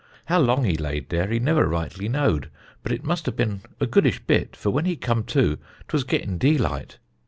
How long he laid dere he never rightly knowed, but it must a bin a goodish bit, for when he come to 'twas gittin' dee light.